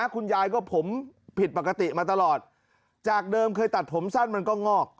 คุณยายก็ผมผิดปกติมาตลอดจากเดิมเคยตัดผมสั้นมันก็งอก